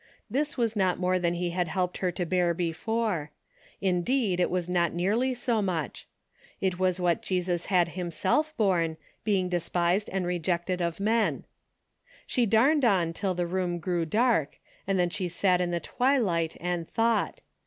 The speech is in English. This was not more than he had helped her to bear before. Indeed, it was not nearly so much. It was what Jesus had himself borne, being despised and rejected of men. She darned on till the room grew dark, and then she sat in the twilight and thought.